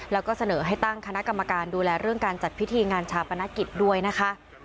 แล้วก็เสนอให้ตั้งคณะกรรมการดูแลเรื่องการจัดพิธีงานชาปนกิจด้วยนะคะ